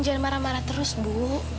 jangan marah marah terus bu